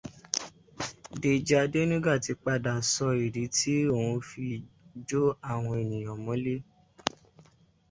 Deji Adenuga ti padà sọ ìdí tí òun fí jo àwọn èèyàn mọ́lé.